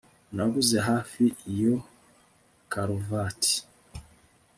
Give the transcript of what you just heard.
naguze hafi iyo karuvati